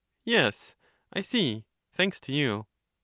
Yes, I see, thanks to you.